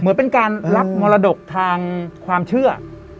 เหมือนเป็นการรับมรดกทางความเชื่อ